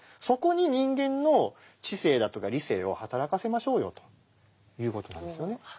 そこに人間の知性だとか理性を働かせましょうよという事なんですよね。